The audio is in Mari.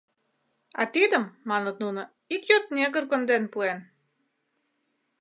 — А тидым, — маныт нуно, — ик йот негр конден пуэн.